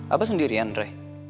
abah sendirian ray